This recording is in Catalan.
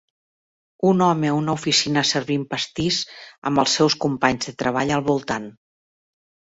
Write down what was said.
Un home a una oficina servint pastís amb els seus companys de treball al voltant.